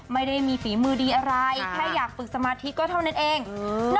ไม่ได้มีฝีมือดีอะไรแค่อยากฝึกสมาธิก็เท่านั้นเองอืม